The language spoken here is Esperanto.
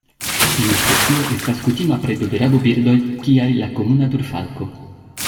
Tiu specio estas kutima predo de rabobirdoj kiaj la Komuna turfalko.